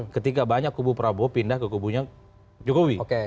ketika banyak kubu prabowo pindah ke kubunya jokowi